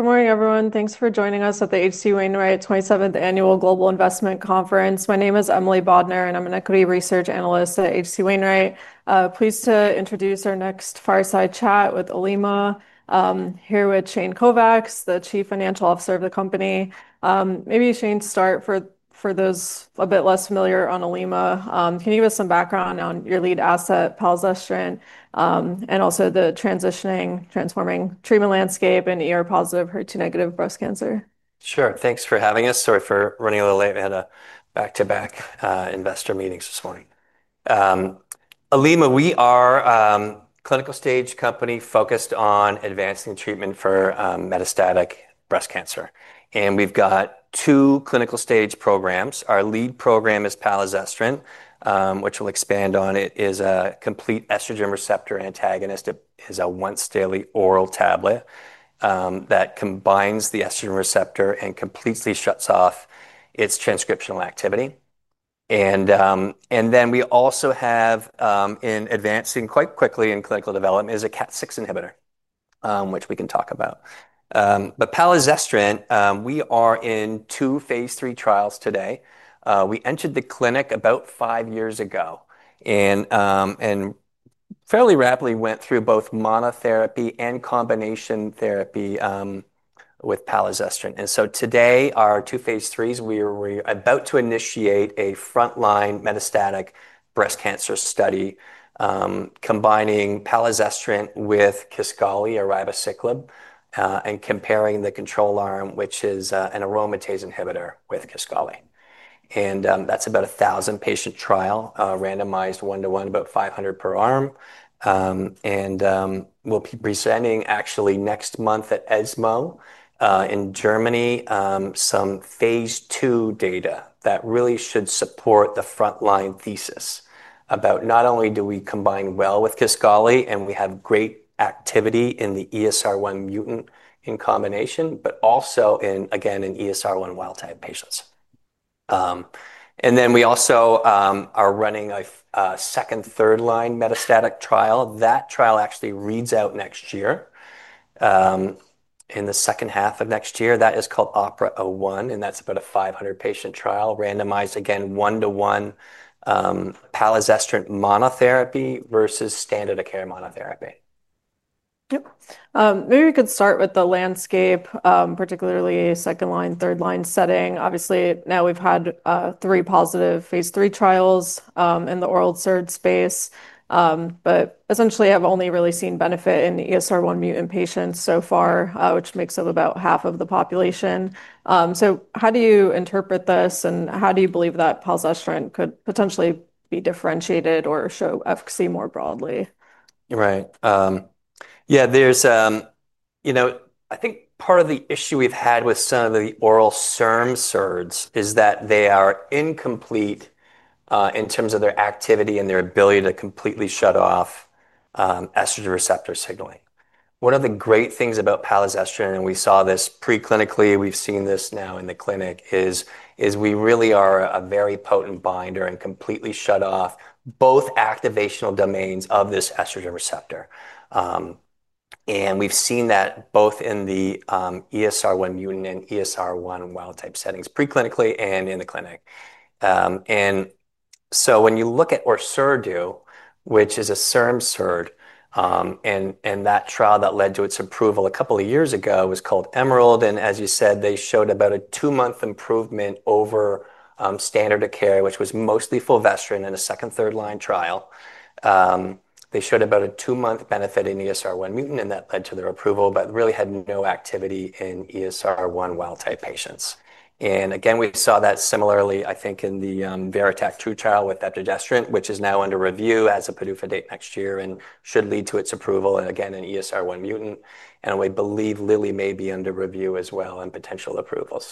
Good morning, everyone. Thanks for joining us at the HC Wainwright 27th Annual Global Investment Conference. My name is Emily Bodner, and I'm an Equity Research Analyst at HC Wainwright. I'm pleased to introduce our next fireside chat with Olema here with Shane Kovacs, the Chief Financial Officer of the company. Maybe Shane, start for those a bit less familiar on Olema. Can you give us some background on your lead asset, palazestrant, and also the transitioning, transforming treatment landscape in hormone receptor-positive HER2-negative breast cancer? Sure. Thanks for having us. Sorry for running a little late and back-to-back investor meetings this morning. Olema Pharmaceuticals, we are a clinical stage company focused on advancing treatment for metastatic breast cancer. We've got two clinical stage programs. Our lead program is palazestrant, which we'll expand on. It is a complete estrogen receptor antagonist. It is a once-daily oral tablet that combines the estrogen receptor and completely shuts off its transcriptional activity. We also have, advancing quite quickly in clinical development, a CDK4/6 inhibitor, which we can talk about. Palazestrant, we are in two Phase 3 trials today. We entered the clinic about five years ago and fairly rapidly went through both monotherapy and combination therapy with palazestrant. Today, our two Phase 3s, we are about to initiate a frontline metastatic breast cancer study combining palazestrant with Kisqali or ribociclib and comparing the control arm, which is an aromatase inhibitor with Kisqali. That's about a 1,000-patient trial, randomized one-to-one, about 500 per arm. We'll be presenting actually next month at ESMO in Germany some Phase 2 data that really should support the frontline thesis about not only do we combine well with Kisqali and we have great activity in the ESR1-mutant in combination, but also in, again, in ESR1 wild-type patients. We also are running a second, third-line metastatic trial. That trial actually reads out next year in the second half of next year. That is called OPERA-01, and that's about a 500-patient trial randomized, again, one-to-one palazestrant monotherapy versus standard-of-care monotherapy. Yep. Maybe we could start with the landscape, particularly a second-line, third-line setting. Obviously, now we've had three positive Phase 3 trials in the oral SERD space, but essentially have only really seen benefit in ESR1-mutant patients so far, which makes up about half of the population. How do you interpret this and how do you believe that palazestrant could potentially be differentiated or show efficacy more broadly? You're right. I think part of the issue we've had with some of the oral SERDs is that they are incomplete in terms of their activity and their ability to completely shut off estrogen receptor signaling. One of the great things about palazestrant, and we saw this preclinically, we've seen this now in the clinic, is we really are a very potent binder and completely shut off both activational domains of this estrogen receptor. We've seen that both in the ESR1-mutant and ESR1 wild-type settings preclinically and in the clinic. When you look at elacestrant, which is an oral SERD, and that trial that led to its approval a couple of years ago was called EMERALD. As you said, they showed about a two-month improvement over standard-of-care, which was mostly fulvestrant in a second, third-line trial. They showed about a two-month benefit in ESR1-mutant, and that led to their approval, but really had no activity in ESR1 wild-type patients. We saw that similarly, I think, in the VERITAC II trial with giredestrant, which is now under review as a PDUFA date next year and should lead to its approval, again, in ESR1-mutant. We believe Lilly may be under review as well and potential approval.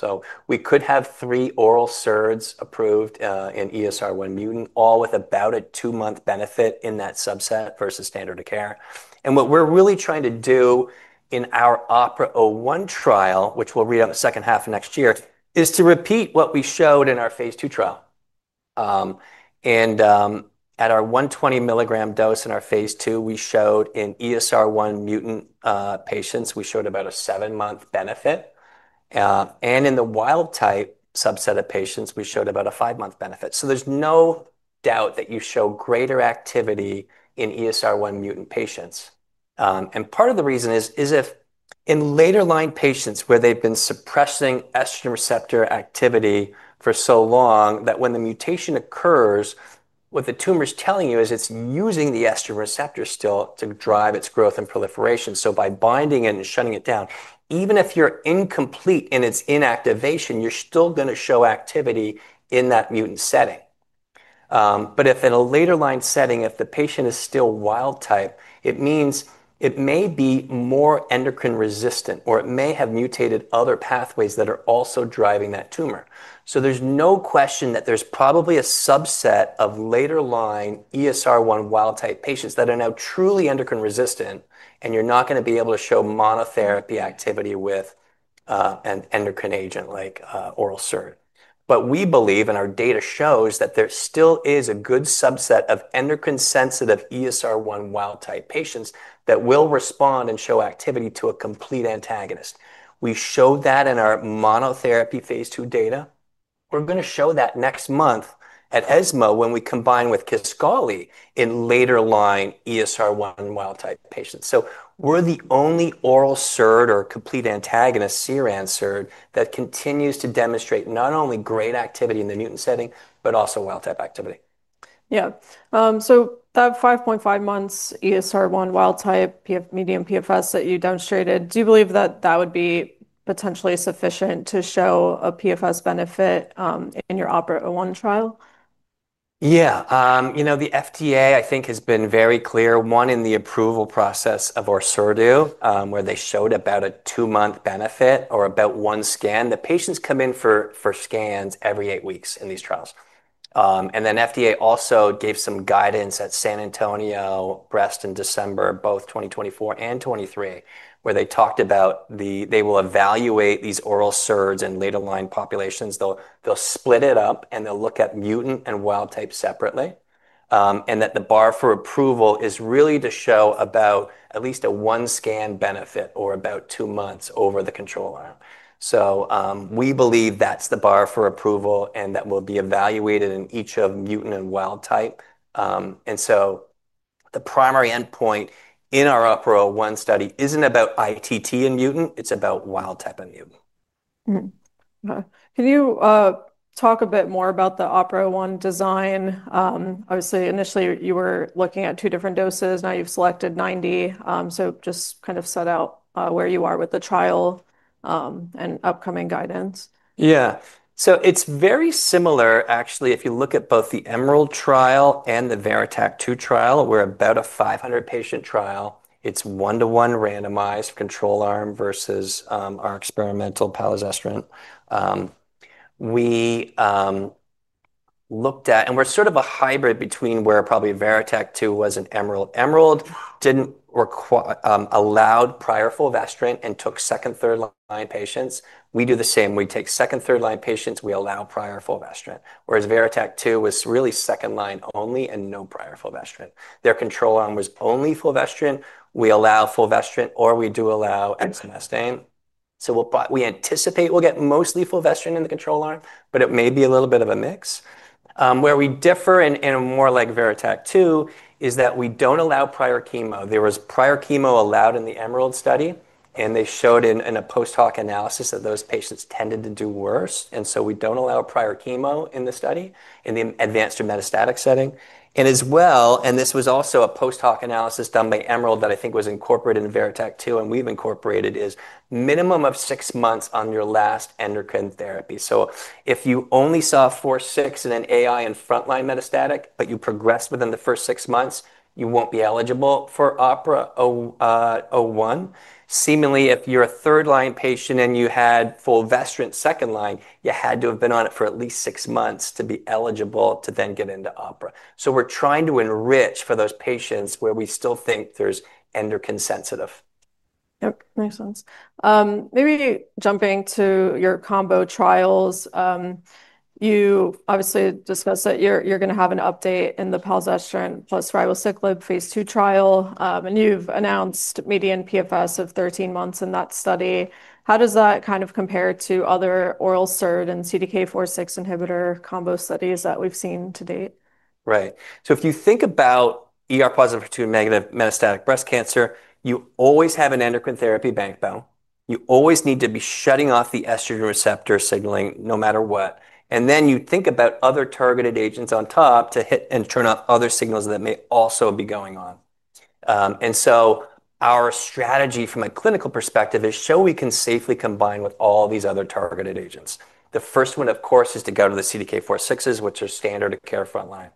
We could have three oral SERDs approved in ESR1-mutant, all with about a two-month benefit in that subset versus standard-of-care. What we're really trying to do in our OPERA-01 trial, which will read out in the second half of next year, is to repeat what we showed in our Phase 2 trial. At our 120 milligram dose in our Phase 2, we showed in ESR1-mutant patients, we showed about a seven-month benefit. In the wild-type subset of patients, we showed about a five-month benefit. There's no doubt that you show greater activity in ESR1-mutant patients. Part of the reason is if in later line patients where they've been suppressing estrogen receptor activity for so long that when the mutation occurs, what the tumor's telling you is it's using the estrogen receptor still to drive its growth and proliferation. By binding it and shutting it down, even if you're incomplete in its inactivation, you're still going to show activity in that mutant setting. If in a later line setting, if the patient is still wild-type, it means it may be more endocrine resistant or it may have mutated other pathways that are also driving that tumor. There is no question that there's probably a subset of later line ESR1 wild-type patients that are now truly endocrine resistant and you're not going to be able to show monotherapy activity with an endocrine agent like oral SERD. We believe, and our data shows, that there still is a good subset of endocrine sensitive ESR1 wild-type patients that will respond and show activity to a complete antagonist. We showed that in our monotherapy Phase 2 data. We are going to show that next month at ESMO when we combine with Kisqali in later line ESR1 wild-type patients. We are the only oral SERD or complete antagonist that continues to demonstrate not only great activity in the mutant setting, but also wild-type activity. Yeah. That 5.5 months ESR1 wild-type median PFS that you demonstrated, do you believe that would be potentially sufficient to show a PFS benefit in your OPERA-01 trial? Yeah. You know, the FDA I think has been very clear, one in the approval process of our SERD where they showed about a two-month benefit or about one scan. The patients come in for scans every eight weeks in these trials. The FDA also gave some guidance at San Antonio Breast in December, both 2024 and 2023, where they talked about they will evaluate these oral SERDs in later line populations. They'll split it up and they'll look at mutant and wild type separately. The bar for approval is really to show about at least a one scan benefit or about two months over the control arm. We believe that's the bar for approval and that will be evaluated in each of mutant and wild type. The primary endpoint in our OPERA-01 study isn't about ITT in mutant, it's about wild type in mutant. Can you talk a bit more about the OPERA-01 design? Obviously, initially you were looking at two different doses, now you've selected 90. Just kind of set out where you are with the trial and upcoming guidance. Yeah. It's very similar actually. If you look at both the EMERALD trial and the VERITAC II trial, we're about a 500-patient trial. It's one-to-one randomized control arm versus our experimental palazestrant. We looked at, and we're sort of a hybrid between where probably VERITAC II was and EMERALD. EMERALD didn't allow prior fulvestrant and took second, third line patients. We do the same. We take second, third line patients, we allow prior fulvestrant. Whereas VERITAC II was really second line only and no prior fulvestrant. Their control arm was only fulvestrant. We allow fulvestrant or we do allow exemestane. We anticipate we'll get mostly fulvestrant in the control arm, but it may be a little bit of a mix. Where we differ and are more like VERITAC II is that we don't allow prior chemo. There was prior chemo allowed in the EMERALD study and they showed in a post-hoc analysis that those patients tended to do worse. We don't allow prior chemo in the study in the advanced or metastatic setting. This was also a post-hoc analysis done by EMERALD that I think was incorporated in VERITAC II and we've incorporated is minimum of six months on your last endocrine therapy. If you only saw four, six in an aromatase inhibitor in frontline metastatic, but you progressed within the first six months, you won't be eligible for OPERA-01. Seemingly, if you're a third line patient and you had fulvestrant second line, you had to have been on it for at least six months to be eligible to then get into OPERA. We're trying to enrich for those patients where we still think there's endocrine sensitive. Yep, makes sense. Maybe jumping to your combo trials, you obviously discussed that you're going to have an update in the palazestrant plus ribociclib Phase 2 trial, and you've announced median PFS of 13 months in that study. How does that kind of compare to other oral SERD and CDK4/6 inhibitor combo studies that we've seen to date? Right. If you think about hormone receptor-positive HER2-negative metastatic breast cancer, you always have an endocrine therapy backbone. You always need to be shutting off the estrogen receptor signaling no matter what. You think about other targeted agents on top to hit and turn off other signals that may also be going on. Our strategy from a clinical perspective is to show we can safely combine with all these other targeted agents. The first one, of course, is to go to the CDK4/6s, which are standard-of-care frontline.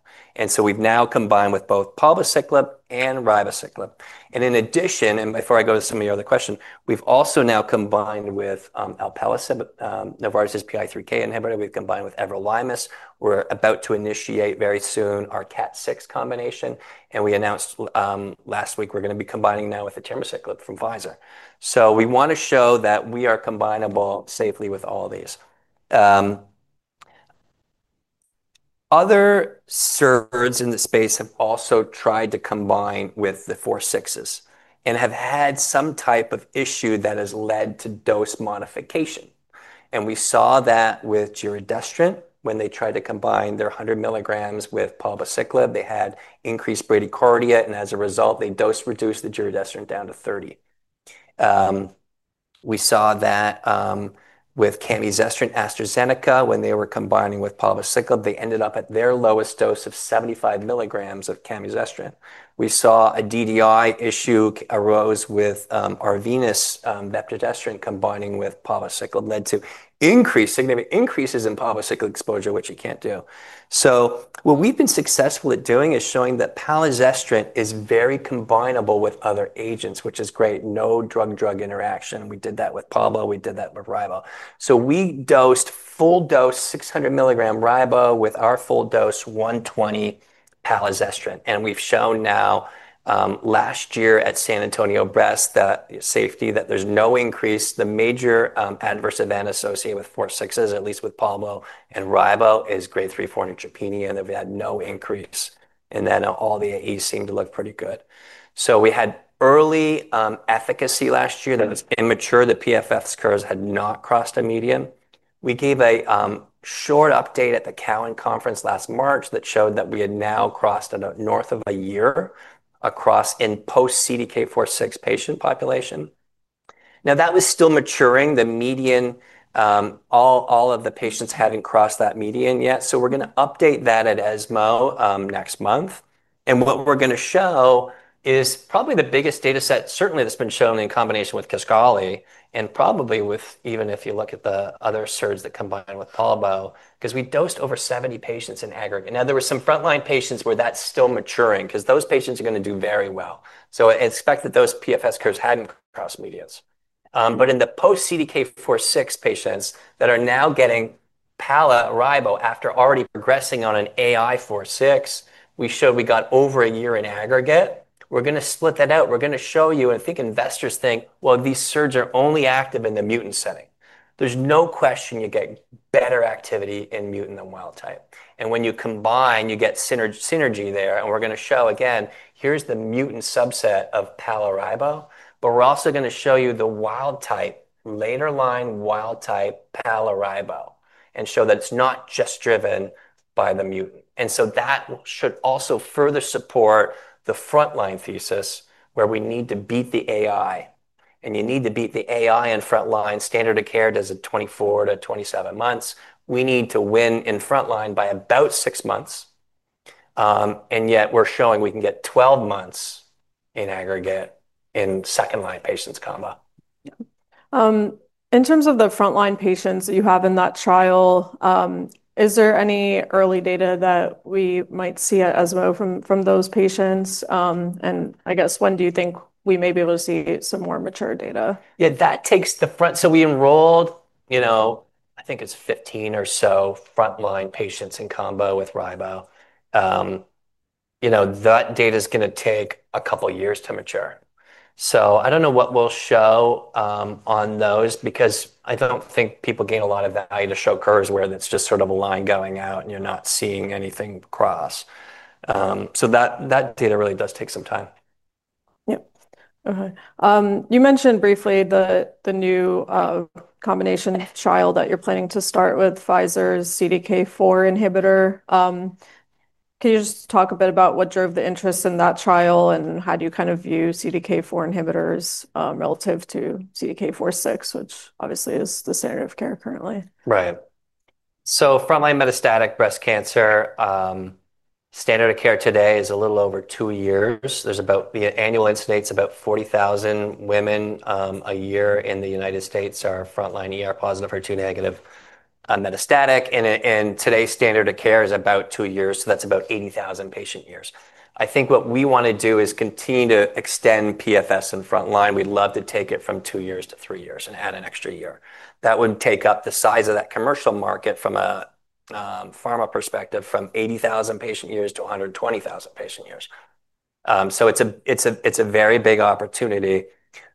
We've now combined with both palbociclib and ribociclib. In addition, before I go to some of your other questions, we've also now combined with alpelisib, a PI3K inhibitor. We've combined with everolimus. We're about to initiate very soon our CDK6 combination. We announced last week we're going to be combining now with atiraciclib from Pfizer. We want to show that we are combinable safely with all these. Other SERDs in the space have also tried to combine with the 4/6s and have had some type of issue that has led to dose modification. We saw that with giredestrant when they tried to combine their 100 milligrams with palbociclib. They had increased bradycardia, and as a result, they dose reduced the giredestrant down to 30. We saw that with camizestrant from AstraZeneca when they were combining with palbociclib. They ended up at their lowest dose of 75 milligrams of camizestrant. We saw a DDI issue arose with Arvinas' bavdegalutamide combining with palbociclib, which led to significant increases in palbociclib exposure, which you can't do. What we've been successful at doing is showing that palazestrant is very combinable with other agents, which is great. No drug-drug interaction. We did that with palbociclib. We did that with ribociclib. We dosed full dose 600 milligram ribociclib with our full dose 120 palazestrant. We've shown now last year at San Antonio Breast that safety, that there's no increase. The major adverse event associated with 4/6s, at least with palbociclib and ribociclib, is grade 3/4 neutropenia. They've had no increase. All the AEs seem to look pretty good. We had early efficacy last year that was immature. The PFS curves had not crossed a median. We gave a short update at the Cowen conference last March that showed that we had now crossed north of a year across in post-CDK4/6 patient population. That was still maturing. The median, all of the patients haven't crossed that median yet. We're going to update that at ESMO next month. What we're going to show is probably the biggest data set, certainly that's been shown in combination with Kisqali and probably even if you look at the other SERDs that combine with palbociclib because we dosed over 70 patients in aggregate. There were some frontline patients where that's still maturing because those patients are going to do very well. I expect that those PFS curves hadn't crossed medians. In the post-CDK4/6 patients that are now getting palbociclib and ribociclib after already progressing on an aromatase inhibitor and CDK4/6, we showed we got over a year in aggregate. We're going to split that out. We're going to show you, and I think investors think these SERDs are only active in the mutant setting. There's no question you get better activity in mutant and wild type. When you combine, you get synergy there. We're going to show, again, here's the mutant subset of palbociclib and ribociclib. We're also going to show you the wild type, later line wild type, palbociclib and ribociclib and show that it's not just driven by the mutant. That should also further support the frontline thesis where we need to beat the aromatase inhibitor. You need to beat the aromatase inhibitor in frontline. Standard of care does it 24 to 27 months. We need to win in frontline by about six months. Yet we're showing we can get 12 months in aggregate in second line patients combo. In terms of the frontline patients that you have in that trial, is there any early data that we might see at ESMO from those patients? I guess when do you think we may be able to see some more mature data? Yeah, that takes the front. We enrolled, you know, I think it's 15 or so frontline patients in combo with ribociclib. That data is going to take a couple of years to mature. I don't know what we'll show on those because I don't think people gain a lot of value to show curves where that's just sort of a line going out and you're not seeing anything cross. That data really does take some time. Okay. You mentioned briefly the new combination trial that you're planning to start with Pfizer's CDK4 inhibitor. Can you just talk a bit about what drove the interest in that trial and how do you kind of view CDK4 inhibitors relative to CDK4/6, which obviously is the standard-of-care currently? Right. Frontline metastatic breast cancer, standard of care today is a little over two years. There's about an annual incident. It's about 40,000 women a year in the United States are frontline positive, HER2 negative metastatic. Today's standard of care is about two years. That's about 80,000 patient years. I think what we want to do is continue to extend PFS in frontline. We'd love to take it from two years to three years and add an extra year. That would take up the size of that commercial market from a pharma perspective from 80,000 patient years to 120,000 patient years. It's a very big opportunity.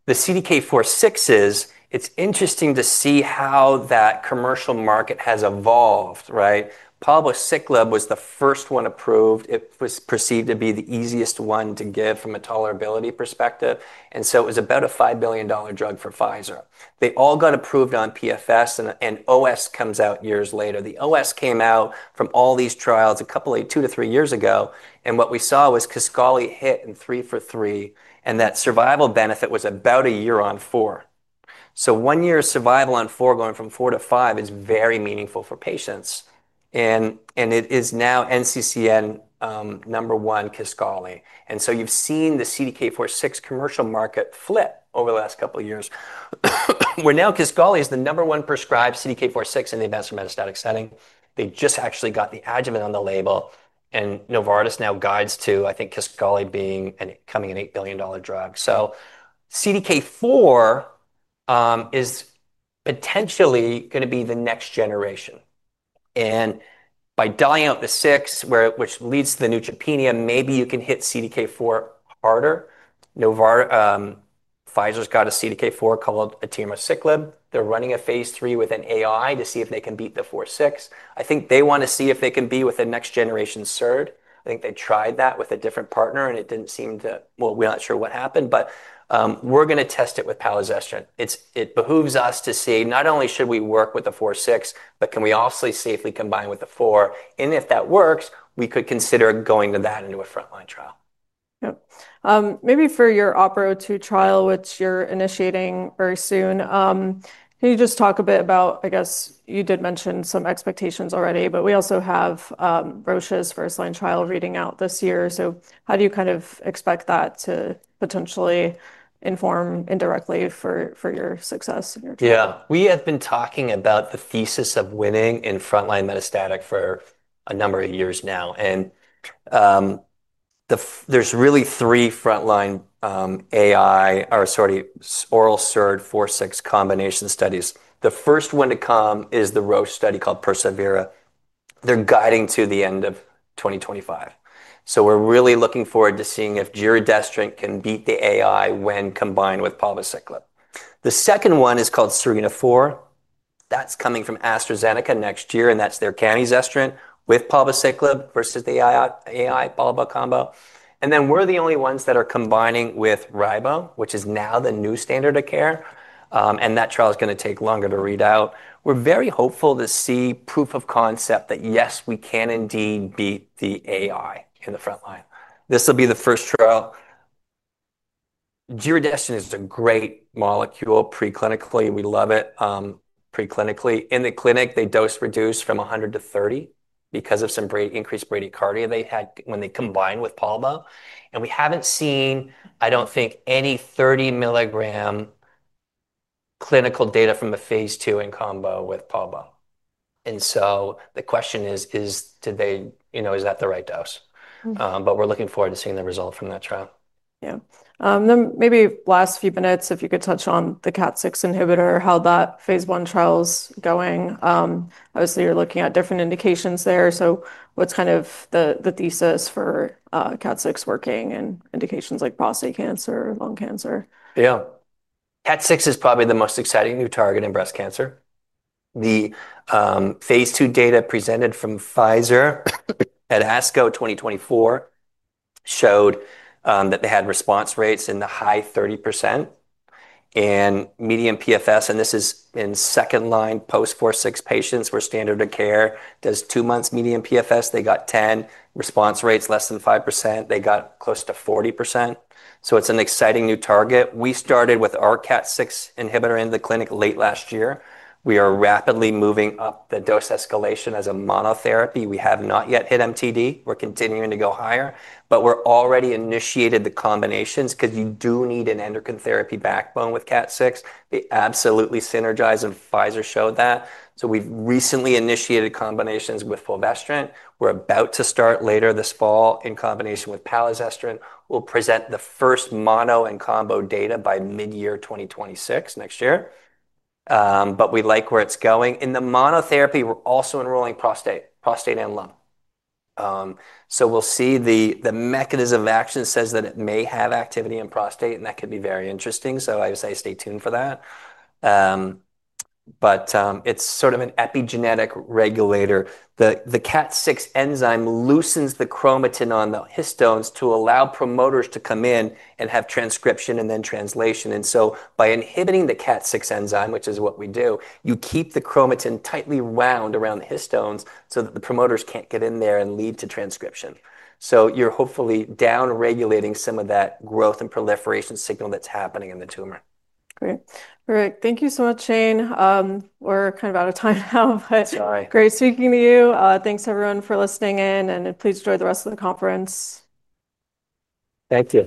The CDK4/6s, it's interesting to see how that commercial market has evolved, right? Palbociclib was the first one approved. It was perceived to be the easiest one to give from a tolerability perspective. It was about a $5 billion drug for Pfizer. They all got approved on PFS and OS comes out years later. The OS came out from all these trials a couple of two to three years ago. What we saw was Kisqali hit in three for three. That survival benefit was about a year on four. One year survival on four going from four to five is very meaningful for patients. It is now NCCN number one Kisqali. You've seen the CDK4/6 commercial market flip over the last couple of years, where now Kisqali is the number one prescribed CDK4/6 in the advanced metastatic setting. They just actually got the adjuvant on the label. Novartis now guides to, I think, Kisqali coming in an $8 billion drug. CDK4 is potentially going to be the next generation. By dying out the six, which leads to the neutropenia, maybe you can hit CDK4 harder. Pfizer's got a CDK4 called atiraciclib. They're running a Phase 3 with an AI to see if they can beat the 4/6. I think they want to see if they can be with a next generation SERD. I think they tried that with a different partner and it didn't seem to, we're not sure what happened, but we're going to test it with palazestrant. It behooves us to see not only should we work with the 4/6, but can we also safely combine with the 4? If that works, we could consider going to that into a frontline trial. Maybe for your OPERA-02 trial, which you're initiating very soon, can you just talk a bit about, I guess you did mention some expectations already, but we also have Roche's first line trial reading out this year. How do you kind of expect that to potentially inform indirectly for your success? Yeah, we have been talking about the thesis of winning in frontline metastatic for a number of years now. There's really three frontline oral SERD 4/6 combination studies. The first one to come is the Roche study called PERSEVERE. They're guiding to the end of 2025. We're really looking forward to seeing if giredestrant can beat the aromatase inhibitor when combined with palbociclib. The second one is called SERENA-4. That's coming from AstraZeneca next year, and that's their camizestrant with palbociclib versus the aromatase inhibitor/palbociclib combo. We're the only ones that are combining with ribociclib, which is now the new standard-of-care. That trial is going to take longer to read out. We're very hopeful to see proof of concept that yes, we can indeed beat the aromatase inhibitor in the frontline. This will be the first trial. Giredestrant is a great molecule preclinically. We love it preclinically. In the clinic, they dose reduced from 100 to 30 because of some very increased bradycardia they had when they combined with palbociclib. We haven't seen, I don't think, any 30 milligram clinical data from the Phase 2 in combo with palbociclib. The question is, do they, you know, is that the right dose? We're looking forward to seeing the result from that trial. Yeah, maybe last few minutes, if you could touch on the CDK4/6 inhibitor, how that Phase 1 trial is going. Obviously, you're looking at different indications there. What's kind of the thesis for CDK4/6 working in indications like prostate cancer, lung cancer? Yeah. CDK4 is probably the most exciting new target in breast cancer. The Phase 2 data presented from Pfizer at ASCO 2024 showed that they had response rates in the high 30% and median PFS. This is in second line post CDK4/6 patients where standard-of-care does two months median PFS. They got response rates less than 5%. They got close to 40%. It's an exciting new target. We started with our CDK4 inhibitor in the clinic late last year. We are rapidly moving up the dose escalation as a monotherapy. We have not yet hit MTD. We're continuing to go higher, but we've already initiated the combinations because you do need an endocrine therapy backbone with CDK4. They absolutely synergize and Pfizer showed that. We've recently initiated combinations with fulvestrant. We're about to start later this fall in combination with palbociclib. We'll present the first mono and combo data by mid-year 2025 next year. We like where it's going. In the monotherapy, we're also enrolling prostate, prostate and lung. The mechanism of action says that it may have activity in prostate and that could be very interesting. I would say stay tuned for that. It's sort of an epigenetic regulator. The CDK4 enzyme loosens the chromatin on the histones to allow promoters to come in and have transcription and then translation. By inhibiting the CDK4 enzyme, which is what we do, you keep the chromatin tightly wound around the histones so that the promoters can't get in there and lead to transcription. You're hopefully downregulating some of that growth and proliferation signal that's happening in the tumor. Great. All right. Thank you so much, Shane. We're kind of out of time now, but great speaking to you. Thanks everyone for listening in, and please enjoy the rest of the conference. Thank you.